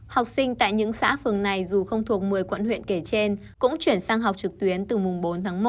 học sinh tại những xã phường này dù không thuộc một mươi quận huyện kể trên cũng chuyển sang học trực tuyến từ mùng bốn tháng một